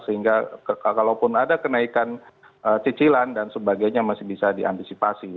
sehingga kalaupun ada kenaikan cicilan dan sebagainya masih bisa diantisipasi